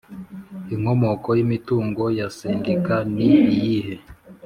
Inkomoko y imitungo ya Sendika ni iyihe